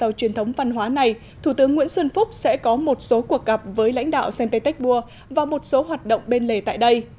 theo truyền thống văn hóa này thủ tướng nguyễn xuân phúc sẽ có một số cuộc gặp với lãnh đạo st petersburg và một số hoạt động bên lề tại đây